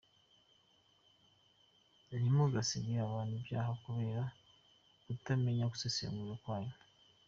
Ntimugasige abantu ibyaha kubera kutamenya gusesengura kwanyu.